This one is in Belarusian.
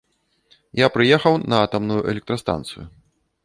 Я прыехаў на атамную электрастанцыю.